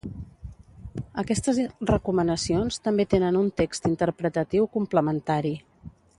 Aquestes recomanacions també tenen un text interpretatiu complementari.